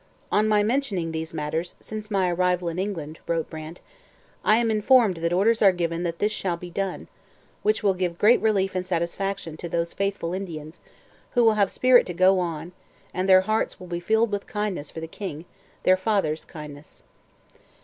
'On my mentioning these matters, since my arrival in England,' wrote Brant, 'I am informed that orders are given that this shall be done; which will give great relief and satisfaction to those faithful Indians, who will have spirit to go on, and their hearts [will] be filled with gratitude for the King, their father's, kindness.'